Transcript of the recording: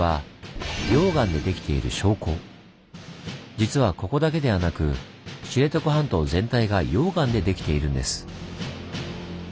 実はここだけではなく知床半島全体が溶岩でできているんです。